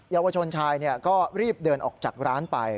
เยาวชนชายก็รีบเดินออกจากร้านไป